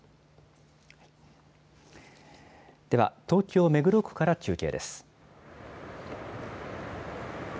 では東京・目黒区から中継です。